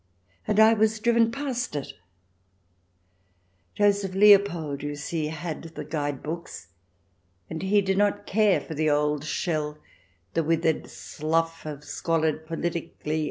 And I was driven past it ! Joseph Leopold, you see, had the guide books, and he did not care for the old shell, the withered slough of squalid, politically unin teresting folk.